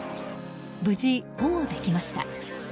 無事、保護できました。